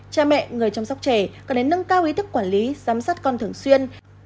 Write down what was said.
cha mẹ người chăm sóc trẻ cần đến nâng cao ý thức quản lý giám sát con thường xuyên